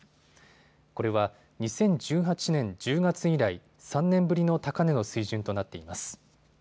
これは２０１８年１０月以来、３年ぶりの高値の水準となっています。